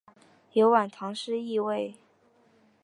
有晚唐诗意味。